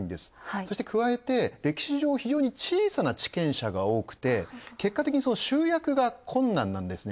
そして加えて歴史上小さな地権者が多くて、結果的に集約が困難なんですね